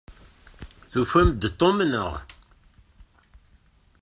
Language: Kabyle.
Tufamt-d Tom, naɣ?